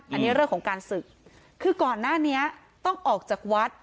อันนี้เรื่องของการศึกคือก่อนหน้านี้ต้องออกจากวัด